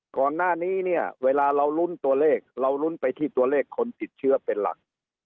ก่อนหน้านี้เนี่ยเวลาเราลุ้นตัวเลขเราลุ้นไปที่ตัวเลขคนติดเชื้อเป็นหลัก